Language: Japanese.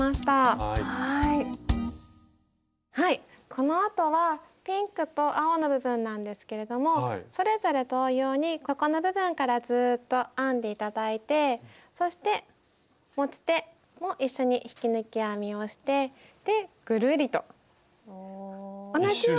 このあとはピンクと青の部分なんですけれどもそれぞれ同様にここの部分からずっと編んで頂いてそして持ち手も一緒に引き抜き編みをしてぐるりと同じように。